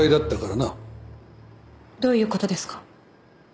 どういう事ですか？